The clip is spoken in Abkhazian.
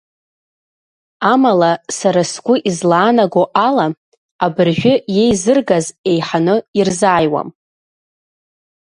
Амала, сара сгәы излаанаго ала, абыржәы иеизыргаз еиҳаны ирзааиуам.